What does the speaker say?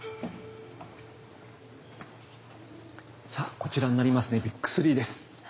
さあこちらになりますねビッグ３です。